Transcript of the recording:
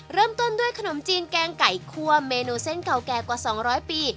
เริ่มต้นด้วยขนมจีนแกงไก่คั่วเมนูเส้นเก่าแก่กว่า๒๐๐ปี